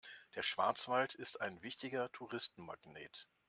Der Schwarzwald ist ein wichtiger Touristenmagnet.